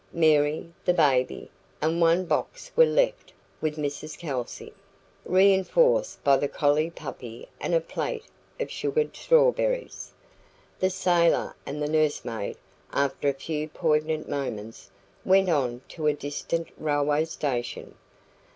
Mary, the baby, and one box were left with Mrs Kelsey (reinforced by the collie puppy and a plate of sugared strawberries); the sailor and the nursemaid, after a few poignant moments, went on to a distant railway station.